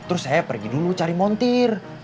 terus saya pergi dulu cari montir